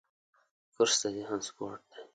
کورس د ذهن سپورټ دی.